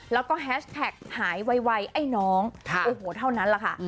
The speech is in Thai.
แล้วก็แฮชแท็กหายไวไอ้น้องโอ้โหเท่านั้นแหละค่ะ